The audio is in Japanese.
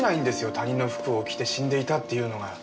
他人の服を着て死んでいたっていうのが。